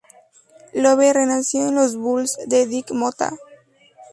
Love renació en los Bulls de Dick Motta.